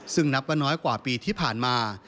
ซึ่งนับว่าน้อยกว่าปีที่ผ่านมา